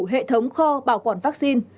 hệ thống kho bảo quản vaccine